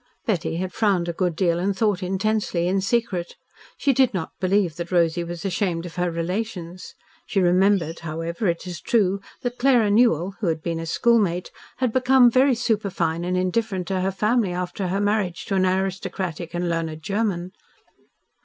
Betty had frowned a good deal and thought intensely in secret. She did not believe that Rosy was ashamed of her relations. She remembered, however, it is true, that Clara Newell (who had been a schoolmate) had become very super fine and indifferent to her family after her marriage to an aristocratic and learned German.